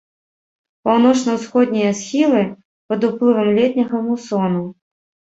Паўночна-ўсходнія схілы пад уплывам летняга мусону.